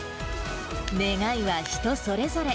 願いは人それぞれ。